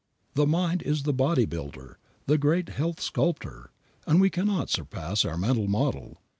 The mind is the body builder, the great health sculptor, and we cannot surpass our mental model.